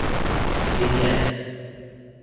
Vignette.